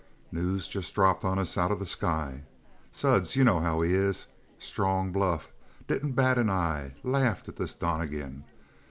"News just dropped on us out of the sky. Suds, you know how he is. Strong bluff. Didn't bat an eye. Laughed at this Donnegan.